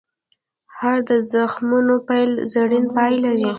هر د زخمتونو پیل؛ زرین پای لري.